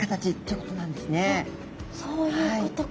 そういうことか。